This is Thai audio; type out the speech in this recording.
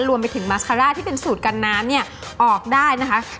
รวมไปถึงมาคาร่าที่เป็นสูตรกันน้ำเนี่ยออกได้นะคะ